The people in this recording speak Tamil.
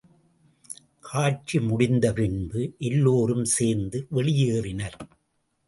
காட்சிமுடிந்த பின்பு எல்லோரும் சேர்ந்து வெளியேறினர்.